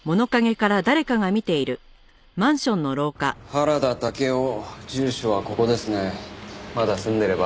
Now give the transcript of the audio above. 原田武雄住所はここですねまだ住んでれば。